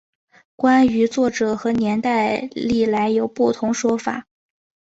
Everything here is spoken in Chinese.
关于作者和年代历来有不同说法。